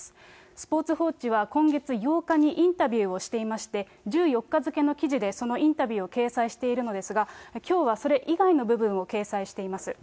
スポーツ報知は今月８日にインタビューをしていまして、１４日付の記事でそのインタビューを掲載しているのですが、きょうはそれ以外の部分を掲載しています。